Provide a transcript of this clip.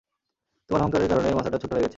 তোমার অহংকারের কারণে মাথাটা ছোট হয়ে গেছে।